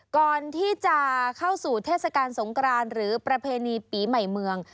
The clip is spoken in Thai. ก่อนที่จะเข้าสู่เทศกาลสงกรานหรือประเพณีปีใหม่เมือง